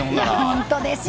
本当ですよ。